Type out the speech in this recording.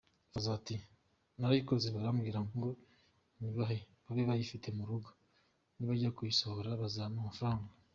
Fazzo ati: “Narayikoze barambwira ngo nyibahe babe bayifite mu rugo nibajya kuyisohora bazampa amafaranga.